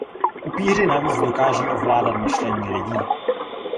Upíři navíc dokáží ovládat myšlení lidí.